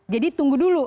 jadi tunggu dulu